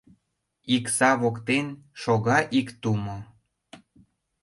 Икса воктен шога ик тумо;